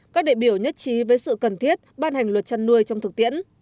các đại biểu nhất trí với sự cần thiết ban hành luật chăn nuôi trong thực tiễn